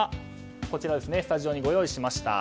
スタジオにご用意しました。